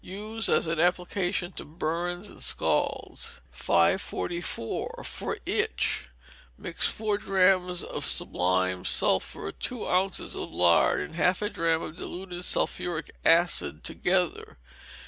Use as an application to burns and scalds. 544. For Itch. Mix four drachms of sublimed sulphur, two ounces of lard, and half a drachm of diluted sulphuric acid together.